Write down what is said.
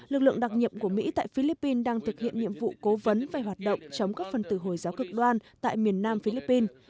lực lượng đặc nhiệm của mỹ tại philippines đang thực hiện nhiệm vụ cố vấn về hoạt động chống các phần tử hồi giáo cực đoan tại miền nam philippines